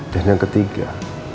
dan yang ketiga